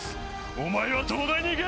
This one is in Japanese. お前は東大に行け！